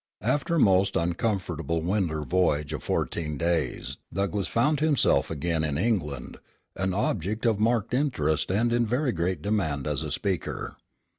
After a most uncomfortable winter voyage of fourteen days Douglass found himself again in England, an object of marked interest and in very great demand as a speaker.